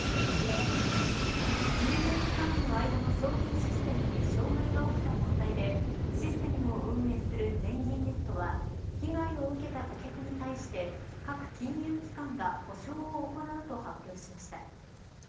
金融機関の間の送金システムに障害が起きた問題でシステムを運営する全銀ネットは被害を受けた顧客に対して各金融機関が補償を行うと発表しました。